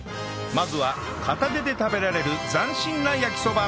まずは片手で食べられる斬新な焼きそば